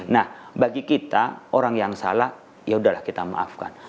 nah bagi kita orang yang salah yaudahlah kita maafkan